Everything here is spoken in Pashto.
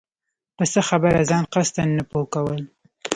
په څۀ خبره ځان قصداً نۀ پوهه كول